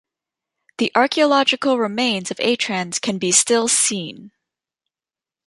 The archaeological remains of Atrans can be still seen.